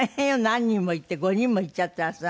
何人も行って５人も行っちゃったらさ。